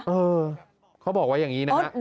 เออเขาบอกว่าอย่างนี้นะฮะ